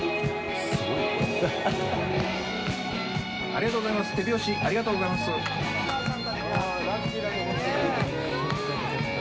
ありがとうございます。